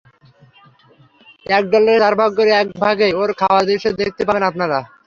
এক ডলারের চার ভাগ্যের এক ভাগেই ওর খাওয়ার দৃশ্য দেখতে পাবেন আপনারা।